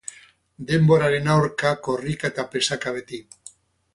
Denboraren aurka korrika eta presaka beti.